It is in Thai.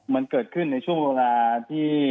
มันเกิดขึ้นในช่วงเวลาที่